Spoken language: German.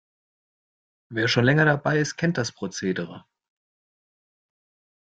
Wer schon länger dabei ist, kennt das Prozedere.